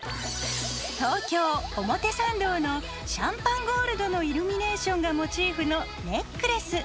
東京・表参道のシャンパンゴールドのイルミネーションがモチーフのネックレス。